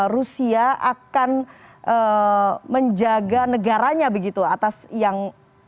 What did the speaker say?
rusia akan menjaga negaranya begitu atas yang